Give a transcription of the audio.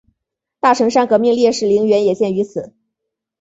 大城山革命烈士陵园也建于此。